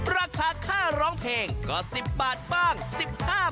ราคาค่าร้องเพลงก็๑๐บาทบ้าง๑๕บาทบ้างแล้วแต่รหันต์